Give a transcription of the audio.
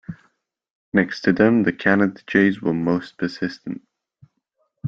Next to them the Canada jays were most persistent.